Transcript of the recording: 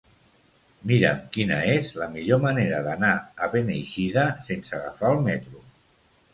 Mira'm quina és la millor manera d'anar a Beneixida sense agafar el metro.